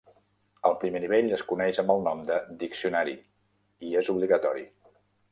El primer nivell es coneix amb el nom de "diccionari" i és obligatori.